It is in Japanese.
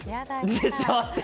ちょっと待って。